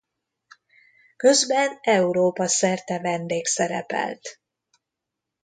Közben Európa-szerte vendégszerepelt.